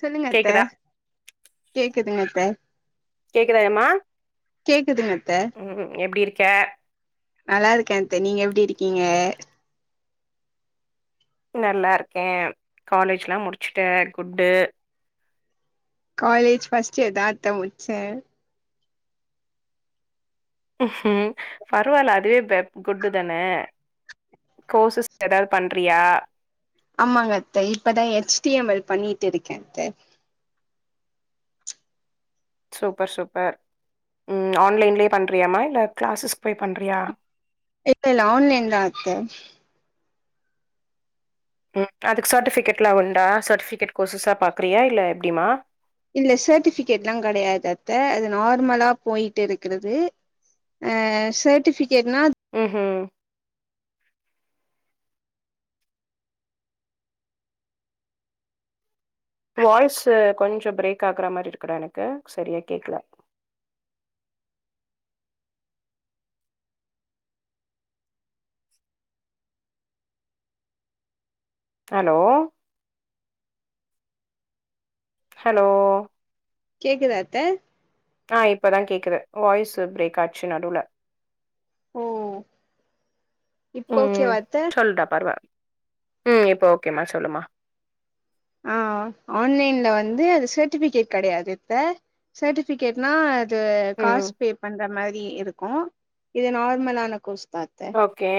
சொல்லுங்கத்த கேக்குதா கேக் க்குதுங்கத்த கேக்குதாயம்மா அத்த ம் எப்டி இருக்க நல்லா இருக்கே அத்த நீங்க எப்டி இருக்கீங்க நல்லா இருக்கே காலேஜ்ல்லா முடிச்சுட்ட குட்டு காலேஜ் பஃபர்ஸ்ட் இயர் தான் அத்த முடிச்சேன் ஹ்ம் பரவாயில அதுவே குட்டு தானே கோசஸ் ஏதாவது பண்றியா ஆமாங்கத்த இப்பதான் ஹச்டடிஎம்எல் பண்ணிட்டு இருக்கேன் த்த சூப்பர் சூப்பர் உம் ஆன்லைன்லயே பண்றியாமா இல்ல கிளாஸ்சஸ் போய் பண்றியா இல்ல இல்ல ஆன்லன்ல அத்த உம் அதுக்கு சர்டிபிகேட்ல்லாம் உண்டா சர்டிபிகேட் கோர்சஸா பாக்குறியா இல்ல எப்படிமா இல்ல சர்ட்டிபிகேட் எல்லாம் கிடையாது அத்தை அது நார்மலா போயிட்டு இருக்கிறது அஹ சர்ட்டிபி உஹம் உம் வாய்ஸ் கொஞ்சம் பிரேக் ஆகுற மாதிரி இருக்கற எனக்கு சரியா கேக்கல ஹலோ ஹலோ கேக்குதா அத்த ஆஹ் இப்பதான் கேக்குது வாய்ஸ்சு பிரேக் ஆச்சு நடுல ஓ இப்போ ஓகே ம் வாத்த சொல்டா பரவா ம் இப்ப ஓகேமா சொல்லுமா ஆஹ் ஆன்லைன்ல வந்து அது சர்ட்டிபிகேட் கிடையாது த்த சர்ட்டிபிகேட்னா த்து ம் காசு பே பண்ற மாதிரி கி இருக்கும் இது நார்மலான கோஸ் ஓகே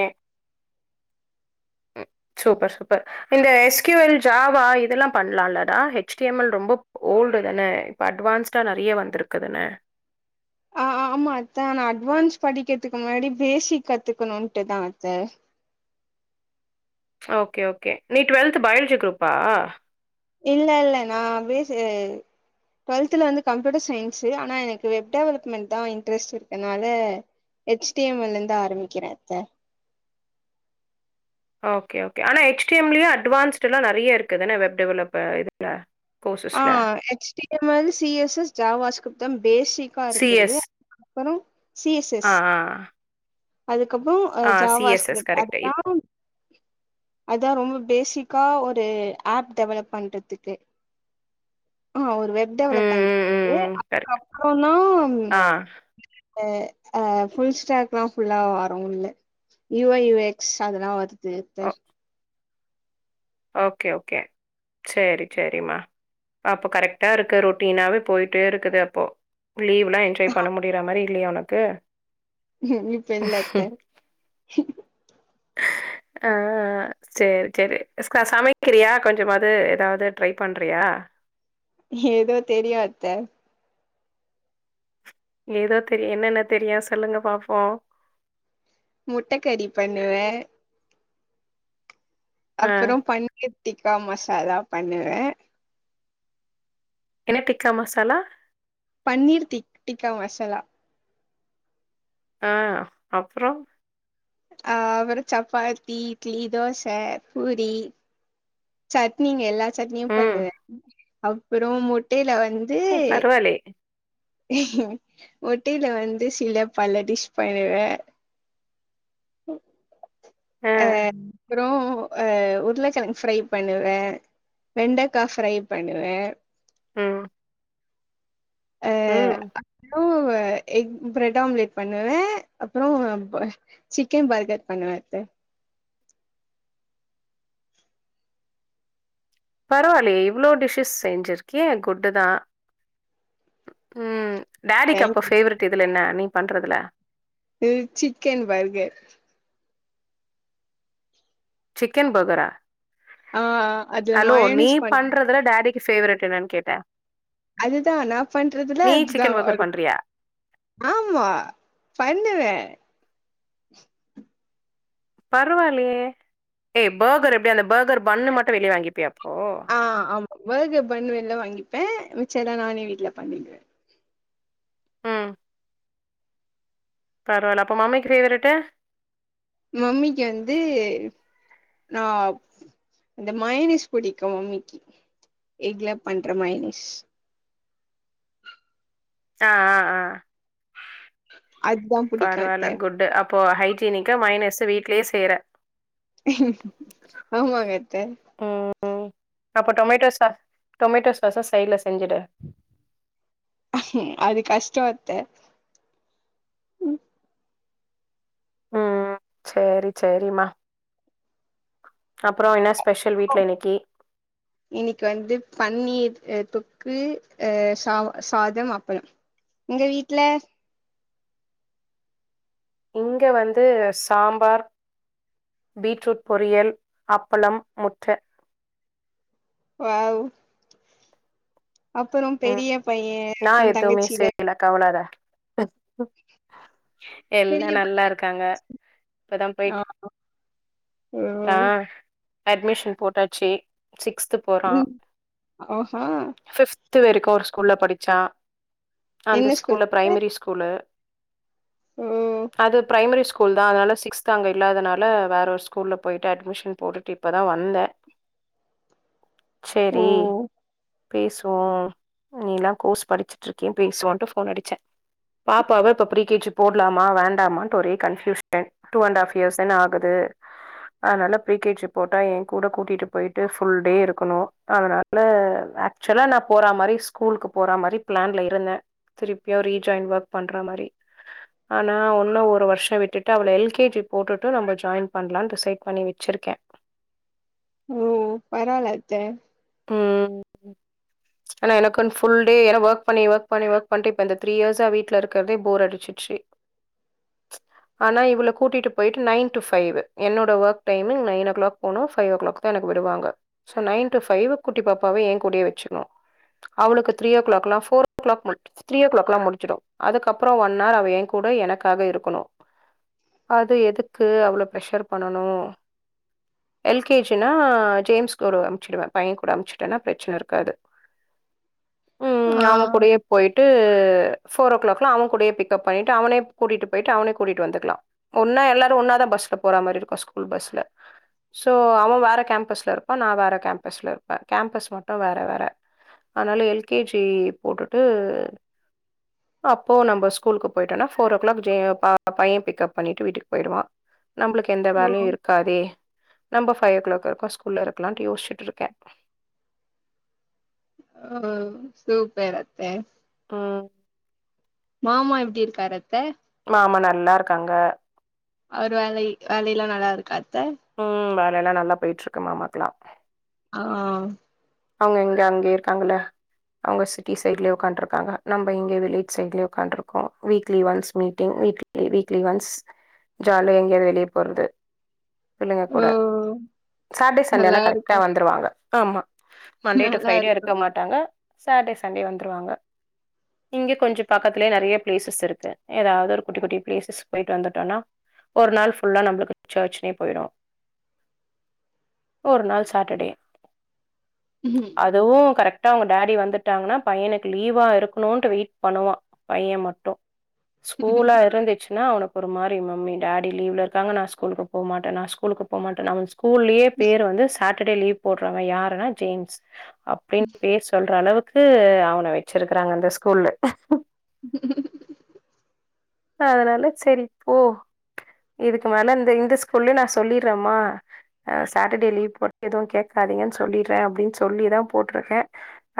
சூப்பர் சூப்பர் இந்த எஸ்கியூஎல் ஜாவா இதெல்லாம் பண்ணலாம்லடா ஹெச்டடிஎம்எல் ரொம்ப ஓல்டு தானே இப்ப அட்வான்ஸ்டா நிறைய வந்திருக்குதுானு ஆஹ் ஆமா அத்த ஆனா அட்வான்ஸ் படிக்கிறதுக்கு முன்னாடி பேசிக் கத்துக்கணும்ன்ட்டு தான் அத்த ஓகே ஓகே நீ டுவெல்த் பயாலஜி குரூப்பா இல்ல இல்ல நான் பேச டுவெல் துல வந்து கம்ப்யூட்டர் சயின்ஸ் ஆனா எனக்கு வெப் டெவலப்மென்ட் தான் இன்ட்ரெஸ்ட் இருக்கனால எச்டிஎம்எல் இருந்து ஆரம்பிக்கிறேன் ஓகே ஓகே ஆனா ஹெச்டிஎம்லயே அட்வான்ஸ்ட் எல்லாம் நிறைய இருக்குதுானனா வெப் டெவலப் இதுல கோர்சஸ்ல ஆஹ் H T M L C S S JavaScript தம் பேசிக்கா சி இருக்கிறது எஸ் அப்பறோ சி எஸ் ஆ எஸ் ஆ அதுக்கு ஆ அதுக்கப்பறம் C Java S S script correct அதுதான் அதான் ரொம்ப பேசிக் க்கா ஒரு ஆப் டெவலப் பண்றதுக்கு ஆஹ் ஒரு வெப் ம் டெவலப்மெண்ட் ம் க்கு ம் கரெக்ட் அதுக்கப்புறம் தான் உம் ஆ அ ஆஹ் ஃபுல் ஸ்டாக்லாம் புல்லா வரவும் இல்ல யூ ஐ யு எக்ஸ் அதெல்லாம் வருது து த ஓகே ஓகே சேரி செரிம்மா அப்போ கரெக்டா இருக்கு ரொட்டீனாவே போயிட்டே இருக்குது அப்போ லீவ் எல்லாம் என்ஜாய் பண்ண முடியற மாரி இல்லையா உனக்கு [unintelligible] இப்பன் லத்த ஆஹ் சேரி செரி ஸ்கா சமைக்கிறியா கொஞ்சமாது ஏதாவது ட்ரை பண்றியா ஏதோ தெரியும் அத்த ஏதோ தெரியு என்னென்ன தெரியும் சொல்லுங்க பாப்போம் முட்ட கறி பண்ணுவேன் ஆ அப்புறோ பண்ணியது ட்டிக்கா மசாலா பண்ணுவேன் என்ன டிக்கா மசாலா பன்னீர் திக் டிக்கா மசாலா ஆஹ் அப்புறோ அஹ் அப்புறோ சப்பாத்தி இட்லி தோசை பூரி சட்னிங்க எல்லா சட்னியும் ம். பண்ணுவே அப்புறோ முட்டை லவர் பரவலயே முட்டையில வந்து சில பல டிஷ் பண்ணுவேன் ஆ. அஹ் [unintelligible] அப்புறோ அஹ் உருளக்கெழங்கு ஃப்ரை பண்ணுவேன் வெண்டக்கா ஃப்ரை பண்ணுவேன் உஹம் உம் க்குவ எக் பிரெட் ஆம்லெட் பண்ணுவேன் அப்புறோ ப சிக்கன் பர்கர் பண்ணுவேன் அத்த பரவாயில்லயே இவ்ளோ டிஷஸ் செஞ்சிருக்கியே குட்டு் தான் உம் டேடிக்கு அப்ப தேங்க்யூ பேவரட் இதுல என்ன அண்ணி பண்றதுல இது சிக்கன் பர்கர் சிக்கன் பர்கரா ஆஹ் அதுல மயோனீஸ் பண்ணே ஃபேபவரட் என்னனு கேட்டேன் அதுதான் நான் பண்றதுல அதுதான் பர்கர் அவருக்கு பண்றியா ஆமா பண்ணுவேன் பரவாயில்லையே ஏய் பர்கர் எப்டி அந்த பர்கர் பண்ணு மட்டும் வெளியே வாங்கிப்பியா அப்ப ஆஹ் ஆமா பர்கர் பண்ணு வெல்ல வாங்கி ப்பேன் மிச்சத நானே வீட்டுல பண்ணிடுவேன் உம் பரவாயில்ல அப்ப மாம்மிக்கு ஃவேவரட்டு மம்மிக்கு வந்து நான் அந்த மைனஸ் பிடிக்கும் மம்மிக்கு வீட்ல பண்ற மைனீஸ் ஆஹ் ஆஹ் ஆஹ் அதுதா புடிக்கு அத்த பரவாயில குட்டு அப் இப்போ ஹைஜீனிக்கா மைனீஸூ வீடலயே செய்ற ஆமாங்க தெ அப்ப டொமேட்டோ சாஸ் டொமேட்டோ சாஸ்ஸ சைட்ல செஞ்சுடு அது கஷ்ட அத்தே உம் சேர் செரிமா அப்பறம் என்னா ஸ் இன்னிக்கி வந்து பண்ணிர் தொக் க்கு அஹ் சா சாதம் அப்னம் உங்க வீட்ல இங்க வந்து சாம்பார் பீட்ரூட் பொரியல் அப்பளம் முட்டை வாவ் அப்பொறம் ம் பெரிய பைய அப்பறோ நான் எதுவுமே தங்கச்சில செய்யல கவ்லர பெரிய எல்லாம் பை நல்லா இருக்காங்க இப்பதான் ஆ போயிட்டு ஓ ஆஹ் அட்மிஷன் போட்டாச்சு சிக்ஸ்த் உம் ஓஹா த்து வரைக்கு ஒரு ஸ்கூல்ல படி ட்ச்சான் அந்த என்ன ஸ்கூல்ல ஸ்கூல் பிரைமரி ஸ்கூலு ஓ அது பிரைமரி ஸ்கூல் ஸ்கூல் தான் அதனால சிக்ஸ்த் அங்கே இல்லாதனால வேற ஒரு ஸ்கூல்ல போயிட்டு அட்மிஷன் போட்டுட்டு இப்போதான் வந்தேன் ஓ செரி பேசுவோம் நீலாம் கோர்ஸ் படிச்சுட்ருக்கியே பேசுவோன்டு ஃபோன் அடிச்சேன் பாப்பாவ இப்போ ப்ரீ கேஜி போட்லாமா இல்ல வேண்டாமாண்டு ஒரே confusion two and half years தானே ஆகுது அதனால ப்ரீ கேஜி போட்டா என் கூட கூட்டிட்டு போயிட்டு ஃபுல் டே இருக்கணும் அதனால நான் போறா மாரி ஸ்கூலுக்கு போற மாதிரி பிளான்ல இருந்தேன் திருப்பியும் ரீஜாயின் ஒர்க் பண்ற மாதிரி ஆனா ஒன்னும் ஒரு வருஷம் விட்டுட்டு அவள எல்கேஜி போட்டுட்டு நம்ப ஜாய்ன் பன்லானு டிசைட் பண்ணி வச்சிருக்கேன் ஓ பரவல அத்த ம் ஆனா எனக்கு வந்து ஃபுள் டே ஏனா வொர்க் பன்னி வொர்க் பன்னி போர் அடிச்சிட்டுச்சி ஆனா இவள் கூட்டிட்டு போய்ட்டு நைன் டூ பைவ் என்னோட வொர்க் டைமிங் நைனோ க்ளாக் போனும் பைவ்வோ க்ளாக் தா என்ன விடுவாங்க ஸோ நைன் டூ பை குட்டி பாப்பாவை ஏ கூடே வச்சுக்கணும் அவளுக்கு த்ரீ ஓ கிளாக்லாம் ஃபோர் ஓ கிளாக் த்ரீ ஓ கிளாக்லாம் முடிஞ்சிடும் அதுக்கப்புறம் ஒன் ஆர் அவ என் கூட எனக்காக இருக்கணும் அது எதுக்கு அவ்வளோ ப்ரெஷர் பண்ணணும் எல்கேஜினா ஜேம்ஸ் கூட அமிச்சுடுவ பையன் கூட அமிச்சுட்டேன்னா பிரச்சனை இருக்காது உம் ஆ அவன் கூடேயே போயிட்டு ஃபோர்ரோ க்ளாக்ளா அவன் கூடியே பிக்கப் பன்னிட்டு அவனையே கூட்டிட்டு போய்ட்டு அவனையே கூட்டிட்டு வந்துக்கலாம் எல்லாரும் ஒன்னாதா பஸ்ல போற மாரி இருக்கும் ஸ்கூல் பஸ்ல ஸோ அவன் வேற கேம்பஸ் ல இருப்பான் நா வேற கேம்பஸ் ல இருப்பன் கேம்பஸ் மட்டும் வேற வேற அதனால எல்கேஜி போட்டுட்டு அப்போ நம்ப ஸ்கூலுக்கு போயிட்டோம்னா போர் ஓ கிளாக் பையன் பிக்கப் பண்ணிட்டு வீட்டுக்கு போயிடுவான் நம்மளுக்கு எந்த ஓ வேலையும் இருக்காதே நம்ப பைவ்வோ கிளாக் வரைக்கும் ஸ்கூல்ல இருக்கலாம் யோசிச்சிட்இருக்கு க ஹ சூப்பர் அத்த உஹம் மாமா எப்படி இருக்கார் அத்த மாமா நல்லா இருக்காங்க அவர் வேலை வேலைலாம் நல்லா இருக்கா அத் உம் வேலை எல்லாம் நல்லா போயிட்டு இருக் இருக்கு மாமாக்குலாம் ஆஹ் அவுங்க எங்க அங்கியே இருக்காங்கல்லே அவுங்க சிட்டி சைட்லே ஒக்காண்ட்ருக்காங்க நம்ப இங்க வில்லேஜ் சைட்லே ஒக்கான்ட்ருக்கோ weekly once meeting weekly weekly once ஜாலியா எங்யாது வெளியே போறது சொல்லுங்க ஓ கூட சாட்டர்டே நல்லா சண்டேனா கரெக்ட்டா இருக்கு வந்துருவாங்க ஆமா மண்டே டு நல்லா ஃப்ரைடே இருக்கு இருக்க மாட்டாங்க சாட்டர்டே சண்டே வந்துருவாங்க இங்க கொஞ்சோ பக்கத்திலயே நெறைய பிளேசஸ் இருக்கு ஏதாவது ஒரு குட்டி குட்டி பிளேசஸ் போயிட்டு வந்துட்டோனா ஒரு நாள் ஃபுல்லா நம்புளுக்கு சர்ச்லே போயிடோ ஒரு நாள் சாட்டர்டே அதுவு கரெக்ட் டா அவுங்க டாடி வந்துட்டாங்கன்னா பையனுக்கு லீவா இருக்குணுன்ட்டு வெயிட் பண்ணுவா பையன் மட்டோ ஸ்கூலா இருந்துச்சுன்னா அவனு ஒரு மாரி மம்மி டேடி லீவ்ல இருக்காங்க நா ஸ்கூலுக்கு போமாட்டே நா ஸ்கூலுக்கு போமாட்டேன்னு அவ கூல்லியே பேர் வந்து சாட் டர்டே லீவ் போட்றவ யாருன்னா ஜேம்ஸ் அப்டின்னு பேர் சொல்ற அளவு கு அவன வச்சிருக்கறாங்க அந்த ஸ்கூல்ல உ ஆ அதனால செரி போ இதுக்கு மேல இந்த இந்த ஸ்கூல்லயு நா சொல்லிறே அம்மா சாட்டர்டே லீவ் போட் எதுவு கேக்காதீங்கன்னு சொல்லிறே அப்டின்னு சொல்லிதா போட்டிருக்கே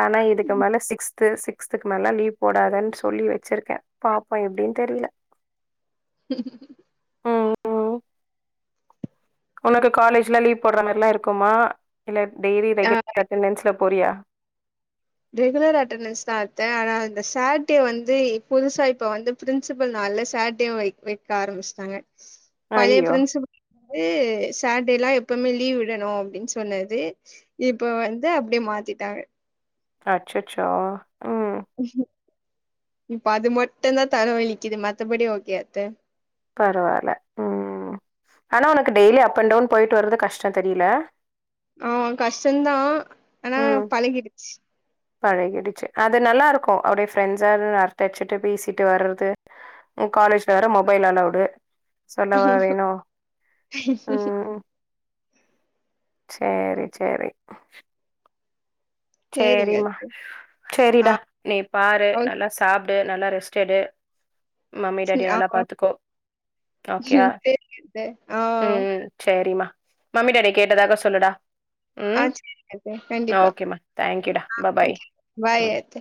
ஆனா இதுக்கு மேல சிக்ஸ்து சிக்ஸ்துக்கு மேல லீவ் போடாதன்னு சொல்லி வச்சிருக்கே பாப்போ எப்டின்னு தெர்ல உனக்கு காலேஜ்ல லீவ் போடுற மாரிலா இருக்குமா ல்ல டெய்லி ஆ ரெகுலர் அட்டெண்டன்ஸ்ல போறியா ரெகுலர் அட்டண்டன்ஸ் தா அத்த ஆனா இந்த சேட்டே வந்து புதுசா இப்ப வந்து பிரின்சிபல் நால சேட்டே வைக்க ஆரம்பிச்சட்டாங்க பழைய ஐயோ பிரின்சிபல் ஏ சாட்டேலா எப்பமே லீவ் விடணு அப்டின்னு சொன்னது இப்ப வந்து அப்டியே மாத்திட்டாங்க அச்சச்சோ ம் இப்ப அது மட்டுதாக தலவகலிக்குது மத்தபடி ஓகே அத்த பரவால உம் ஆனா ஒனக்கு டெய்லி அப் அண்ட் டவுன் பொயிட்டு வறது கஷ்டோ தெரிலே ஆவ்வோ கஷ்ட்டோதா ஆனா பழகிடுச்சி பழகிடுச்சி அது நல்லாருக்கோ அப்டி ஃப்ரெண்ட்ஸ்ல அரட்ட அடிச்சிட்டு பேசிட்டு வறற்து உ காலேஜ்ல வேர மொபைல் அளோடு சொல்லவா வேணு உம் உ சேரி சேரி சேரிங்க செரிமா அத்த ஆ செரிடா நீ பாரு ஓக் நல்லா சாப் டு நல்லா ரெஸ்ட் எடு மம்மி டேடிய ஆ நல்லா பாத்துக்கோ ஓகேவா சேரிங்க அத்த ஆ உம் சேரிம்மா மம்மி டேடிய‌ கேட்டதாக சொல்லுடா ஆ செரிங்க அத்த கண்டிப்பா தேங்க்யூ டா பப் பாய் ஓகே பாய் ம் அத்த